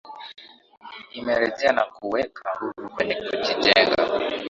Imerejea na kuweka nguvu kwenye kujijenga